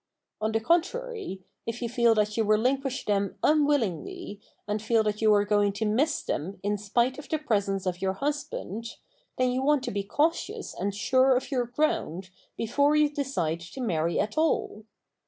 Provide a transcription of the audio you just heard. On the contrary, if you feel that you relinquish them unwillingly and feel that you are going to miss them in spite of the presence of your husband, then you want to be cautious and sure of your ground before you decide to marry at all.